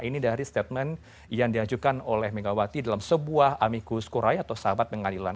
ini dari statement yang diajukan oleh megawati dalam sebuah amikus kurai atau sahabat pengadilan